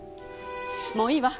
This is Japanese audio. もういいわ。